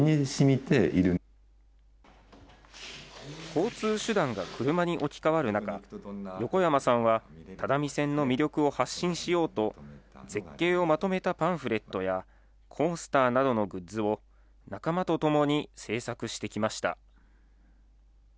交通手段が車に置き換わる中、横山さんは只見線の魅力を発信しようと、絶景をまとめたパンフレットや、コースターなどのグッズを仲間とともに製作してきました。